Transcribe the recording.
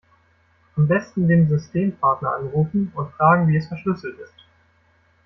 Am Besten den Systempartner anrufen und fragen wie es verschlüsselt ist.